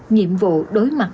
nhiệm vụ đối mặt